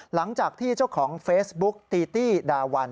หลังจากที่เจ้าของเฟซบุ๊กตีตี้ดาวัน